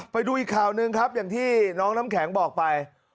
ไปดูอีกข่าวหนึ่งครับอย่างที่น้องน้ำแข็งบอกไป